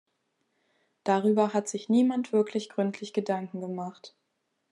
Darüber hat sich niemand wirklich gründlich Gedanken gemacht.